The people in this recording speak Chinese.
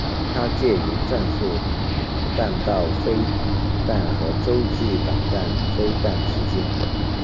它介于战术弹道飞弹和洲际弹道飞弹之间。